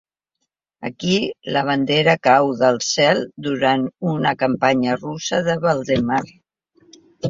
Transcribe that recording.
Aquí, la bandera cau del cel durant una campanya russa de Valdemar.